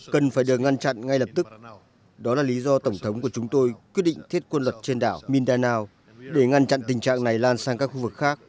cần phải được ngăn chặn ngay lập tức đó là lý do tổng thống của chúng tôi quyết định thiết quân luật trên đảo mindanao để ngăn chặn tình trạng này lan sang các khu vực khác